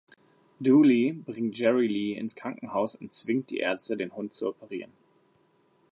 Dooley bringt Jerry Lee ins Krankenhaus und zwingt die Ärzte, den Hund zu operieren.